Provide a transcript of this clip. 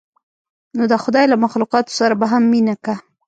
نو د خداى له مخلوقاتو سره به هم مينه کا.